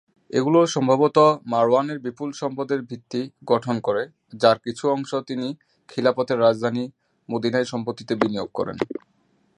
এগুলো সম্ভবত মারওয়ানের বিপুল সম্পদের ভিত্তি গঠন করে, যার কিছু অংশ তিনি খিলাফতের রাজধানী মদীনায় সম্পত্তিতে বিনিয়োগ করেন।